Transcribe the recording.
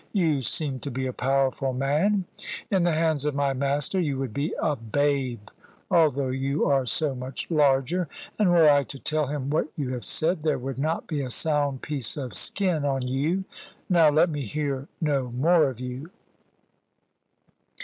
You seem to be a powerful man: in the hands of my master you would be a babe, although you are so much larger. And were I to tell him what you have said, there would not be a sound piece of skin on you. Now, let me hear no more of you."